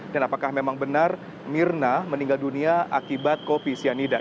dan apakah memang benar mirna meninggal dunia akibat kopi sianida